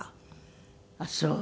あっそう。